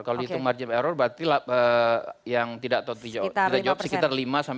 kalau dihitung margin of error berarti yang tidak tahu tidak jawab sekitar lima sebelas